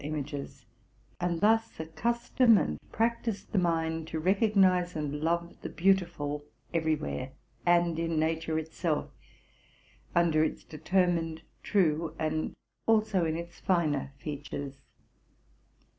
204 TRUTH AND FICTION images, and thus accustom and practise the mind to recognize and love the beautiful everywhere, and in nature itself, under its determined, true, and also in its finer, features.